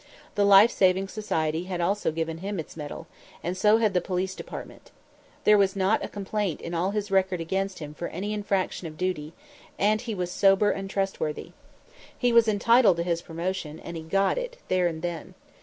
The Life Saving Society had also given him its medal, and so had the Police Department. There was not a complaint in all his record against him for any infraction of duty, and he was sober and trustworthy. He was entitled to his promotion; and he got it, there and then.